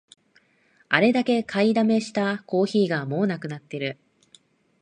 あれだけ買いだめしたコーヒーがもうなくなってる